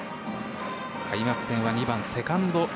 開幕戦は２番セカンド。